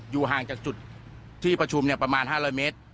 ห่างจากจุดที่ประชุมประมาณ๕๐๐เมตร